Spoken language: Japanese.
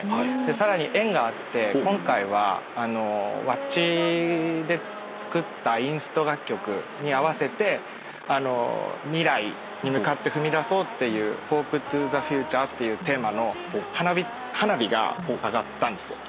さらに縁があって今回はｗａｃｃｉで作ったインスト楽曲に合わせて未来に向かって踏み出そうっていう「ＨＯＰＥＴＯＴＨＥＦＵＴＵＲＥ」っていうテーマの花火が上がったんですよ。